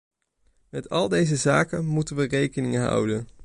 Met al deze zaken moeten we rekening houden.